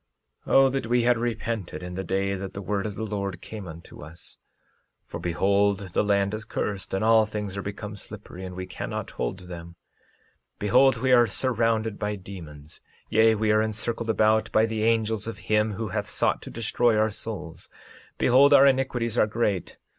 13:36 O that we had repented in the day that the word of the Lord came unto us; for behold the land is cursed, and all things are become slippery, and we cannot hold them. 13:37 Behold, we are surrounded by demons, yea, we are encircled about by the angels of him who hath sought to destroy our souls. Behold, our iniquities are great.